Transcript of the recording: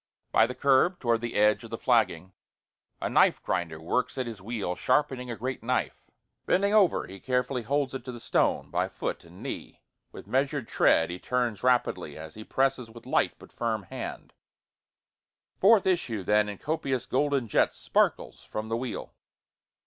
By the curb toward the edge of the flagging, A knife grinder works at his wheel sharpening a great knife, Bending over he carefully holds it to the stone, by foot and knee, With measurâd tread he turns rapidly, as he presses with light but firm hand, Forth issue then in copious golden jets, Sparkles from the wheel.